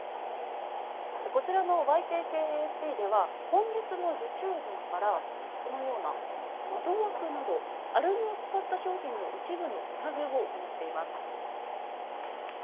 こちらのＹＫＫＡＰでは、今月の受注分から、このような窓枠などアルミを使った商品の一部の値上げを行っています。